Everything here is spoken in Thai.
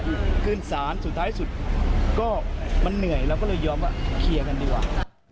อีกคื่นสารสุดท้ายสุดก็มันเนื่อยเราก็เลยยอมเขียนกันดีกว่า